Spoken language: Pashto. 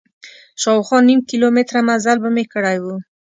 شاوخوا نیم کیلومتر مزل به مې کړی و.